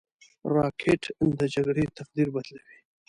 راکټ د جګړې تقدیر بدلوي